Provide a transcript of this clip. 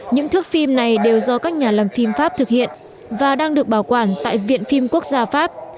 những thước phim này đều do các nhà làm phim pháp thực hiện và đang được bảo quản tại viện phim quốc gia pháp